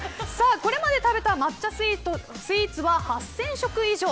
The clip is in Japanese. これまで食べた抹茶スイーツは８０００食以上。